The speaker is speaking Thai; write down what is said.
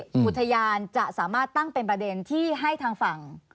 อุทยานจะสามารถตั้งเป็นประเด็นที่ให้ทางฝั่ง